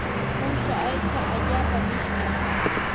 uusha aycha allaapa mishkim.